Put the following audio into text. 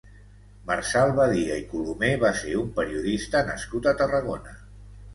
Marçal Badia i Colomer va ser un periodista nascut a Tarragona.